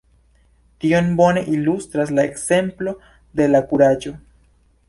Tion bone ilustras la ekzemplo de la kuraĝo.